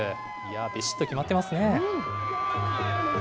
びしっと決まっていますね。